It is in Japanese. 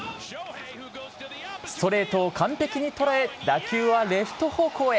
ストレートを完璧に捉え打球はレフト方向へ。